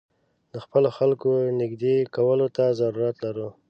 د خپلو خلکو نېږدې کولو ته ضرورت لرو.